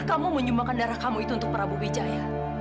kamu menyumbangkan darah kamu itu untuk prabu wijaya